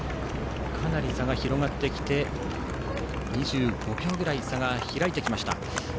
かなり差が広がってきて２５秒ぐらい差が開いてきました。